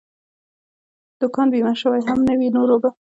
دوکان بیمه شوی هم نه وي، نور اوبه.